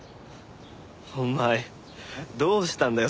お前どうしたんだよ？